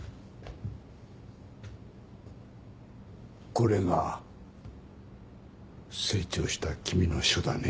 これが成長した君の書だね？